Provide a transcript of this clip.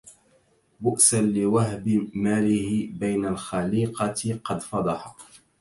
بؤسا لوهب ماله بين الخليقة قد فضح